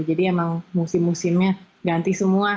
jadi emang musim musimnya ganti semua